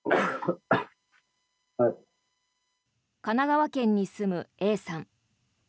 神奈川県に住むＡさん。